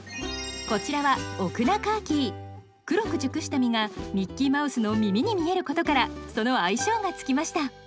こちらはオクナカーキー黒く熟した実がミッキーマウスの耳に見えることからその愛称がつきました